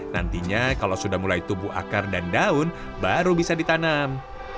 nantinya kalau sudah mulai tubuh akar dan daun baru bisa ditanam